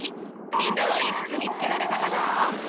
みんなはいくつみつけられたかな？